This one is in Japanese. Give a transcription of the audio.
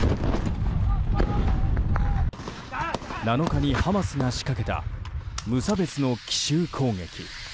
７日にハマスが仕掛けた無差別の奇襲攻撃。